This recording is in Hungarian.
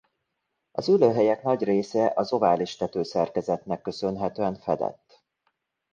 Az ülőhelyek nagy része az ovális tetőszerkezetnek köszönhetően fedett.